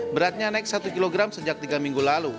beratnya naik satu kilogram sejak tiga minggu lalu